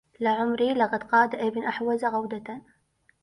لعمري لقد قاد ابن أحوز قودة